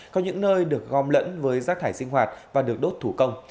có những nơi được gom lẫn với rác thải sinh hoạt và được đốt thủ công